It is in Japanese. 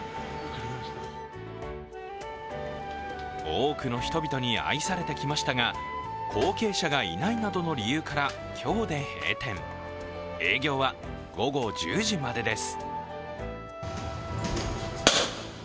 多くの人々に愛されてきましたが、後継者がいないなどの理由から今日で閉店、営業は午後１０時までです。